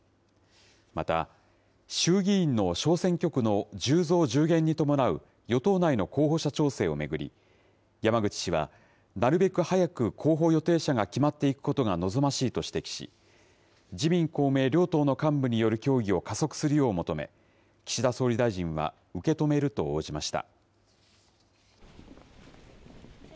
また、衆議院の小選挙区の１０増１０減に伴う与党内の候補者調整を巡り、山口氏は、なるべく早く候補予定者が決まっていくことが望ましいと指摘し、自民、公明両党の幹部による協議を加速するよう求め、岸田総理大臣は受け止めると応じました。